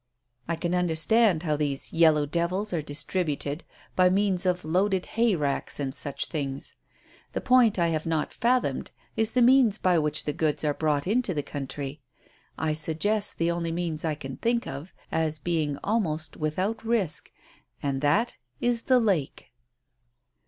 I can understand how these 'yellow devils' are distributed by means of loaded hayracks and such things. The point I have not fathomed is the means by which the 'goods' are brought into the country. I suggest the only means I can think of as being almost without risk, and that is the lake."